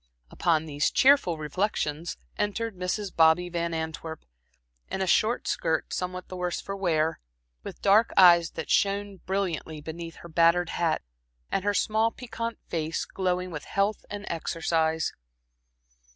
Upon these cheerful reflections entered Mrs. Bobby Van Antwerp, in a short skirt somewhat the worse for wear, with dark eyes that shone brilliantly beneath her battered hat, and her small piquante face glowing with health and exercise.